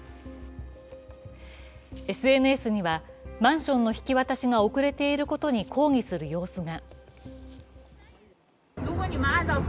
ＳＮＳには、マンションの引き渡しが遅れていることに抗議する様子が。